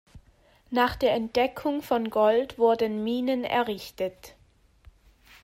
Nach der Entdeckung von Gold wurden Minen errichtet.